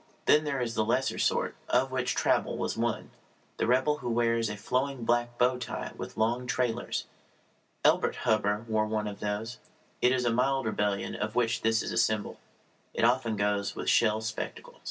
Then there is the lesser sort, of which Traubel was one the rebel who wears a flowing black bow tie with long trailers. Elbert Hubbard wore one of these. It is a mild rebellion of which this is symbol. It often goes with shell spectacles.